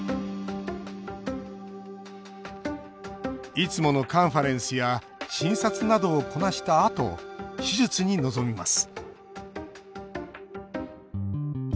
いつものカンファレンスや診察などをこなしたあと手術に臨みます